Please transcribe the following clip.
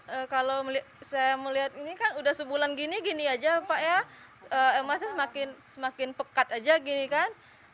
ya kalau saya melihat ini kan udah sebulan gini gini aja pak ya emasnya semakin pekat aja gini kan